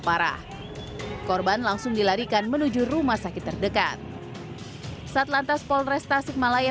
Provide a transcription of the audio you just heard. parah korban langsung dilarikan menuju rumah sakit terdekat saat lantas polresta sikmalaya